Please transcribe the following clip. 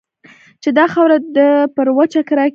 چې دا خاوره ده پر وچه کې راګېره